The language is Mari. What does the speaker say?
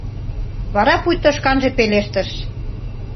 Вара пуйто шканже пелештыш: